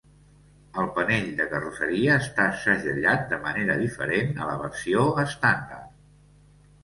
El panell de carrosseria està segellat de manera diferent a la versió estàndard.